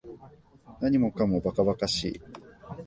何もかも馬鹿馬鹿しい